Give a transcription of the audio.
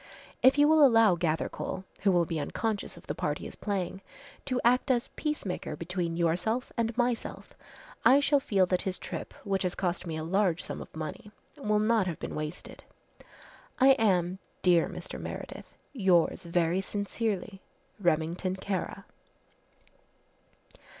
If you will allow Gathercole, who will be unconscious of the part he is playing, to act as peacemaker between yourself and myself, I shall feel that his trip, which has cost me a large sum of money, will not have been wasted. "I am, dear Mr. Meredith, "Yours very sincerely, "REMINGTON KARA."